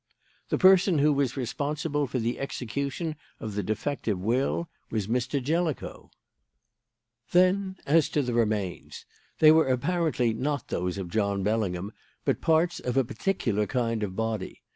"The person who was responsible for the execution of the defective will was Mr. Jellicoe. "Then as to the remains. They were apparently not those of John Bellingham, but parts of a particular kind of body.